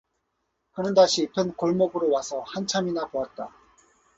그는 다시 이편 골목으로 와서 한참이나 보았다.